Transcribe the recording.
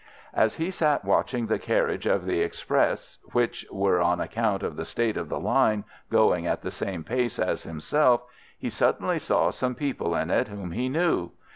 "As he sat watching the carriages of the express which were (on account of the state of the line) going at the same pace as himself, he suddenly saw some people in it whom he knew.